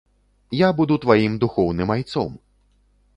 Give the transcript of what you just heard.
Я буду тваім духоўным айцом!